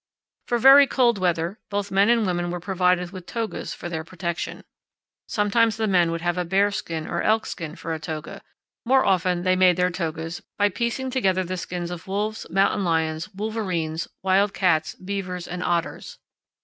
For very cold weather both men and women were provided with togas for their protection. Sometimes the men would have a bearskin or elkskin for a toga; more powell canyons 38.jpg ANOTHER TUSAYAN FIELD SHELTER. often they made their togas by piecing together the skins of wolves, mountain lions, wolverines, wild cats, beavers, and otters.